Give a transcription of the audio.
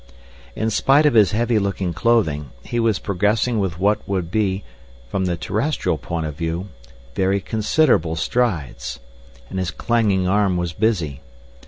In spite of his heavy looking clothing, he was progressing with what would be, from the terrestrial point of view, very considerable strides, and his clanging arm was busy.